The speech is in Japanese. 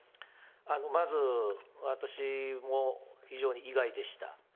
まず私も非常に意外でした。